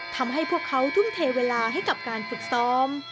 ทำให้พวกเขาทุ่มเทเวลาให้กับการฝึกซ้อม